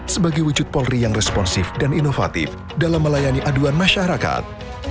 sebagai wujud polri yang responsif dan inovatif dalam melayani aduan masyarakat